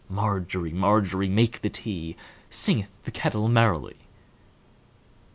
Margery, Margery, make the tea, Singeth the kettle merrily.